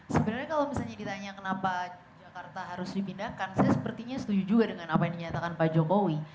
sebenarnya kalau misalnya ditanya kenapa jakarta harus dipindahkan saya sepertinya setuju juga dengan apa yang dinyatakan pak jokowi